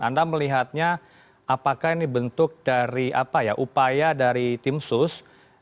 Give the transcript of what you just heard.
anda melihatnya apakah ini bentuk dari upaya dari tim sus